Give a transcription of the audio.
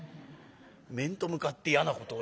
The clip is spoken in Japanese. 「面と向かって嫌なことを言うなあ。